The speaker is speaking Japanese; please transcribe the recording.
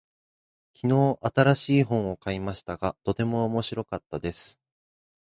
昨日、新しい本を買いましたが、とても面白かったです。